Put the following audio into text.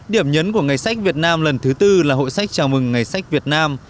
điểm nhấn của ngày sách việt nam lần thứ tư là hội sách chào mừng ngày sách việt nam